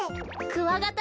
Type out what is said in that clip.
クワガタ！